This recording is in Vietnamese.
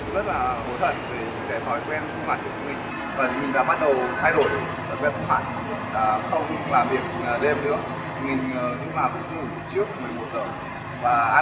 và mình đã bắt đầu thay đổi thói quen xấu hẳn